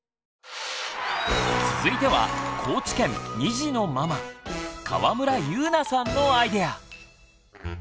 続いては高知県２児のママ川村祐奈さんのアイデア！